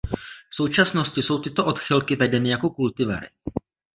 V současnosti jsou tyto odchylky vedeny jako kultivary.